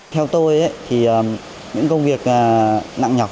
theo tôi thì những công việc nặng nhọc